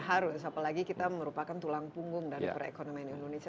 harus apalagi kita merupakan tulang punggung dari perekonomian indonesia